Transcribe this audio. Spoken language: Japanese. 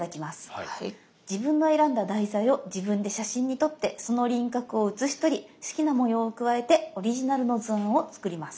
自分の選んだ題材を自分で写真に撮ってその輪郭を写しとり好きな模様を加えてオリジナルの図案を作ります。